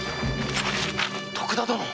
徳田殿！